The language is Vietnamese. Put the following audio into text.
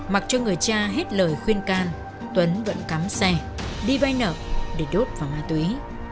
mặc cho người cha hết lời khuyên can tuấn vẫn cắm xe đi vay nợ để đốt vào ma túy